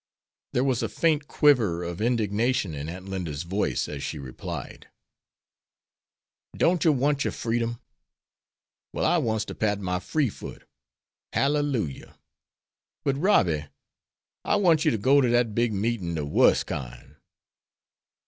There was a faint quiver of indignation in Aunt Linda's voice, as she replied: "Don't yer want yer freedom? Well I wants ter pat my free foot. Halleluyah! But, Robby, I wants yer ter go ter dat big meetin' de wuss kine."